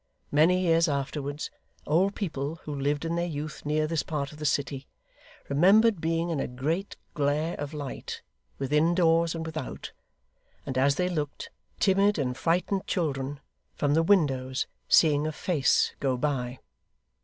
Many years afterwards, old people who lived in their youth near this part of the city, remembered being in a great glare of light, within doors and without, and as they looked, timid and frightened children, from the windows, seeing a FACE go by.